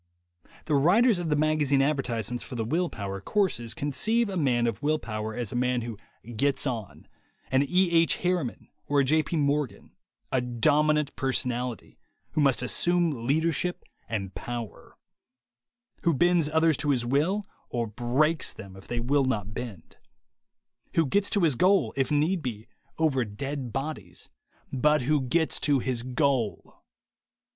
The writers of the magazine advertisements for the will power courses conceive a man of will power as a man who "gets on," an E. H. Harri man or a J. P. Morgan, a dominant personality, who must assume leadership and power ; who bends others to his will, or breaks them if they will not bend; who gets to his goal, if need be, over dead bodies, but who gets to his goal.